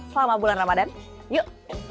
selamat bulan ramadan yuk